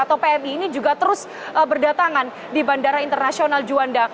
atau pmi ini juga terus berdatangan di bandara internasional juanda